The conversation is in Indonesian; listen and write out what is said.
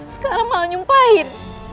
sekarang malah nyumpahin